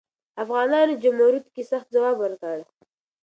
افغانانو جمرود کې سخت ځواب ورکړ.